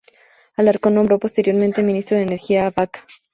Alarcón nombró posteriormente Ministro de Energía a Baca.